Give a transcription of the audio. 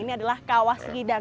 ini adalah kawah segidang